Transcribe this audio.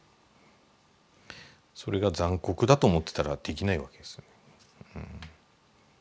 それが残酷だと思ってたらできないわけですよね。